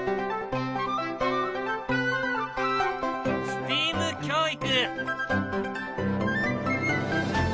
ＳＴＥＡＭ教育。